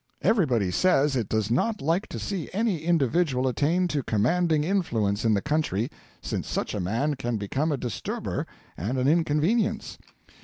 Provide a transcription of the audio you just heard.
Everybody says it does not like to see any individual attain to commanding influence in the country, since such a man can become a disturber and an inconvenience.